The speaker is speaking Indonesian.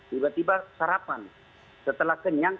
tiba tiba sarapan setelah kenyang